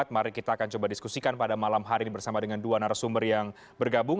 mari kita akan coba diskusikan pada malam hari ini bersama dengan dua narasumber yang bergabung